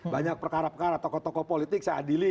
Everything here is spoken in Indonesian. banyak perkara perkara tokoh tokoh politik saya adili